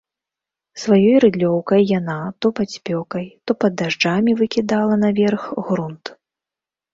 Сваёй рыдлёўкай яна то пад спёкай, то пад дажджамі выкідала наверх грунт.